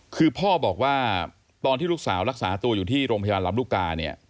คือพ่อบอกว่าตอนที่ลูกสาวรักษาตัวอยู่ที่โรงพยาบาลลำลูกกาเนี่ย